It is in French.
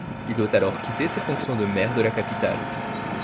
Il doit alors quitter ses fonctions de maire de la capitale.